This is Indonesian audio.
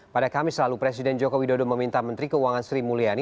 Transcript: pada kamis lalu presiden joko widodo meminta menteri keuangan sri mulyani